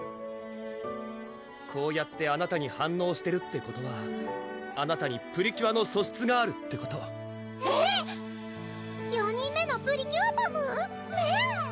こうやってあなたに反応してるってことはあなたにプリキュアの素質があるってことえっ⁉４人目のプリキュアパム⁉メン！